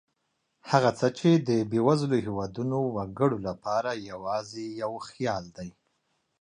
هغه څه چې د بېوزلو هېوادونو وګړو لپاره یوازې یو خیال دی.